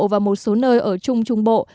và một số nơi ở trung trung bộ